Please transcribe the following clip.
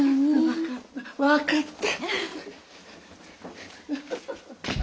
分かった分かった。